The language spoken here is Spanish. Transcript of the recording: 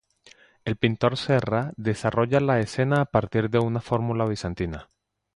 El pintor Serra desarrolla la escena a partir de una fórmula bizantina.